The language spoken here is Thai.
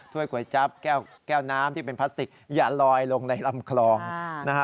ก๋วยจั๊บแก้วน้ำที่เป็นพลาสติกอย่าลอยลงในลำคลองนะฮะ